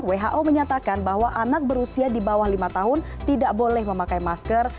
who menyatakan bahwa anak berusia di bawah lima tahun tidak boleh memakai masker